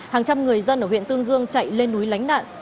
hàng trăm người dân ở huyện tương dương chạy lên núi lánh nạn